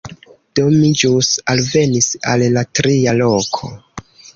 Do, ni ĵus alvenis al la tria loko